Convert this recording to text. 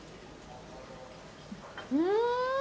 うん！